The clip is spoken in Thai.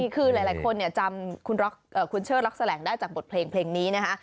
คือหลายคนจำคุณเชิดรักแสลงได้จากบทเพลงนี้นะคะ